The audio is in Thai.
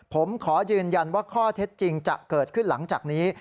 ผมขอยืนยันว่าข้อเท็จจริงจะเกิดขึ้นหลังจากนี้